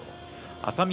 熱海